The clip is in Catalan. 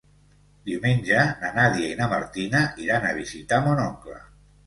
Diumenge na Nàdia i na Martina iran a visitar mon oncle.